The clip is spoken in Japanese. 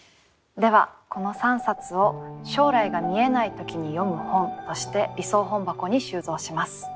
ではこの３冊を「将来が見えないときに読む本」として理想本箱に収蔵します。